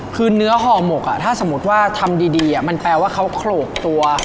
คือเนื้อห่อหมกถ้าสมมุติว่าทำดีมันแปลว่าเขาโขลกตัว